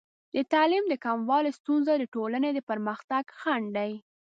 د تعلیم د کموالي ستونزه د ټولنې د پرمختګ خنډ دی.